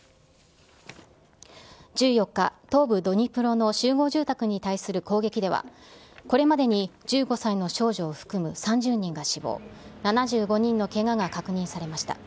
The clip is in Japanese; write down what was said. １４日、東部ドニプロの集合住宅に対する攻撃では、これまでに１５歳の少女を含む３０人が死亡、７５人のけがが確認されました。